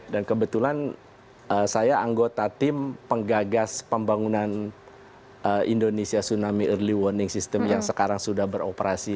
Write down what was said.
dan kebetulan saya anggota tim penggagas pembangunan indonesia tsunami early warning system yang sekarang sudah beroperasi